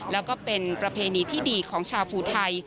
แล้วก็เป็นประเพณีที่ดีของชาวภูไทย